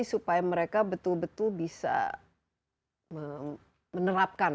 supaya mereka betul betul bisa menerapkan